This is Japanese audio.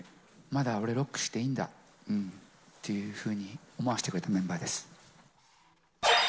まだ俺、ロックしていいんだっていうふうに思わせてくれたメンバーです。